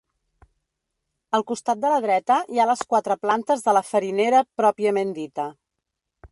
Al costat de la dreta hi ha les quatre plantes de la farinera pròpiament dita.